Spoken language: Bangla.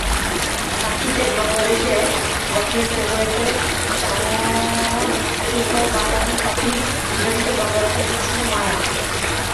পাখির দেশ বাংলাদেশএ বছরের ফেব্রুয়ারিতে চামচঠুঁটো বাটান পাখির জরিপে বাংলাদেশে এসেছিল মায়া।